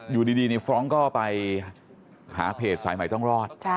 อยู่ดีในฟรองก์ก็ไปหาเพจสายใหม่ต้องรอด